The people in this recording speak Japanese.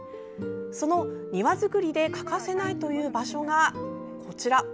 その庭造りで欠かせないという場所がこちら。